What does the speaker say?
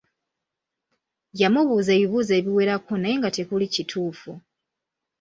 Yamubuuza ebibuuzo ebiwerako naye nga tekuli kituufu.